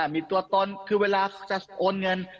มีตัวตนเวลาโอนเงิน